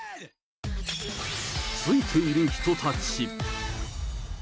ついてる人たち。